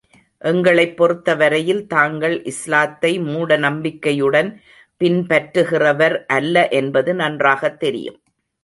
எங்களைப் பொறுத்தவரையில் தாங்கள் இஸ்லாத்தை மூடநம்பிக்கையுடன் பின்பற்றுகிறவர் அல்ல என்பது நன்றாகத் தெரியும்.